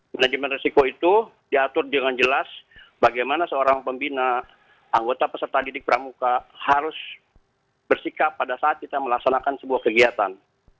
manajemen resiko itu diatur dengan jelas bagaimana seorang pembina anggota peserta didik pramuka harus bersikap pada saat kita melaksanakan sebuah kegiatan